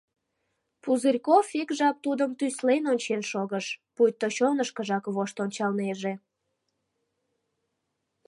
Пузырьков ик жап тудым тӱслен ончен шогыш, пуйто чонышкыжак вошт ончалнеже.